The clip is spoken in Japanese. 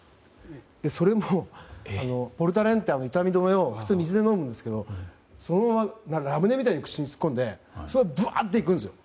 それでもボルタレンという痛み止めを普通は水で飲むんですけどラムネみたいに口に突っ込んでそのまま行くんですよ。